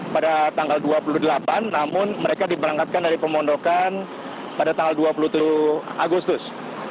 pada tanggal dua puluh delapan namun mereka diberangkatkan dari pemondokan pada tanggal dua puluh tujuh agustus